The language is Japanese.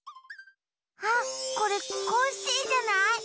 あっこれコッシーじゃない？